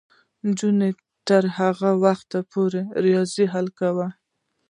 نجونې به تر هغه وخته پورې ریاضي حل کوي.